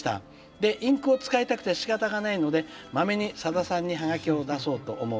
でインクを使いたくてしかたがないのでまめにさださんにハガキを出そうと思う今日このごろなんです」。